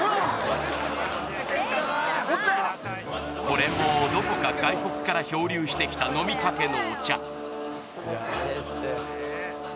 これもどこか外国から漂流してきた飲みかけのお茶